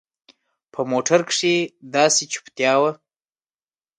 په موټر کښې داسې چوپتيا وه.